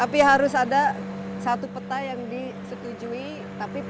tapi harus ada satu peta yang disetujui tapi penggunaan tata kelola